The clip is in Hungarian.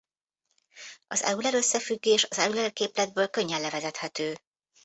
Az Euler-összefüggés az Euler-képletből könnyen levezethető.